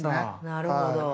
なるほど。